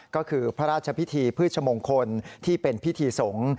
ก็คือพระราชพิธีพืชมงคลที่เป็นพิธีสงฆ์